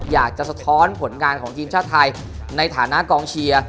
สะท้อนผลงานของทีมชาติไทยในฐานะกองเชียร์